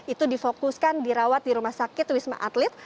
itu difokuskan dirawat di rumah sakit wisma atlet